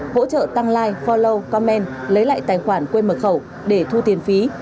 hỗ trợ tăng like flowe comment lấy lại tài khoản quên mật khẩu để thu tiền phí